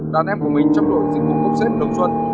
đàn em của mình chấp nổi dịch vụ công xếp đồng xuân